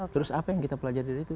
terus apa yang kita pelajari dari itu